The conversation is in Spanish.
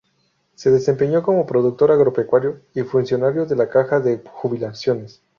Se desempeñó como productor agropecuario y funcionario de la Caja de Jubilaciones.